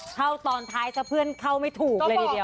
ตอนท้ายซะเพื่อนเข้าไม่ถูกเลยทีเดียว